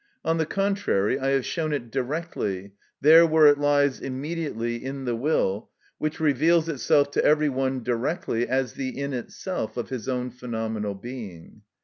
On the contrary, I have shown it directly, there where it lies immediately, in the will, which reveals itself to every one directly as the in itself of his own phenomenal being.